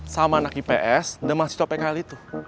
sama anak ips dan masih capek kali itu